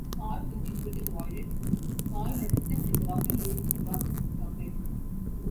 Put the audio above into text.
Soy is also usually avoided - soy lecithin is often used in processed chocolate.